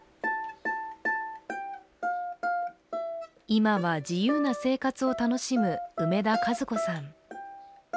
今は自由な生活を楽しむ梅田和子さん。